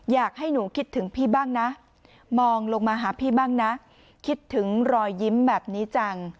อยากให้หนูคิดถึงพี่บ้างนะมองลงมาหาพี่บ้างนะคิดถึงรอยยิ้มแบบนี้จัง